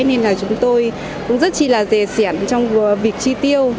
nên là chúng tôi cũng rất chỉ là rề xẻn trong việc chi tiêu